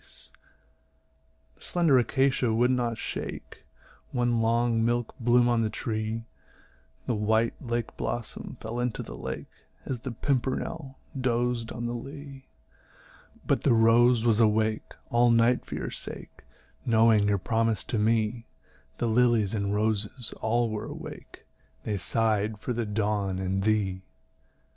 The slender acacia would not shake One long milk bloom on the tree; The white lake blossom fell into the lake, As the pimpernel dozed on the lea; But the rose was awake all night for your sake, Knowing your promise to me; The lilies and roses were all awake, They sigh'd for the dawn and thee.